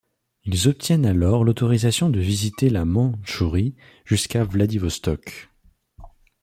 Ils obtiennent alors l'autorisation de visiter la Mandchourie jusqu’à Vladivostok.